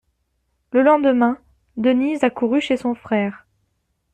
Le lendemain, Denise accourut chez son frère.